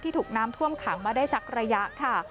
ถูกน้ำท่วมขังมาได้สักระยะค่ะ